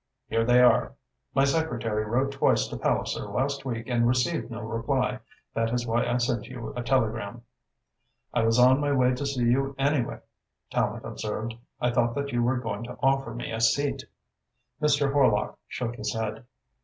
"Here they are. My secretary wrote twice to Palliser last week and received no reply. That is why I sent you a telegram." "I was on my way to see you, anyway," Tallente observed. "I thought that you were going to offer me a seat." Mr. Horlock shook his head.